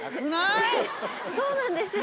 そうなんですよ。